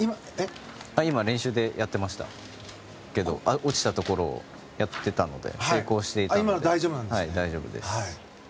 今、練習でやってましたけど落ちたところをやっていたので成功していたので大丈夫です。